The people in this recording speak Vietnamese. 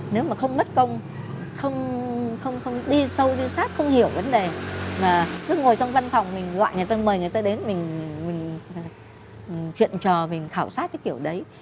nếu mà không mất công không đi sâu đi sát không hiểu vấn đề mà cứ ngồi trong văn phòng mình gọi người ta mời người ta đến mình chuyện trò mình khảo sát cái kiểu đấy